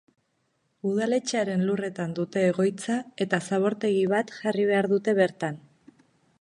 Udaletxearen lurretan dute egoitza eta zabortegi bat jarri behar dute bertan.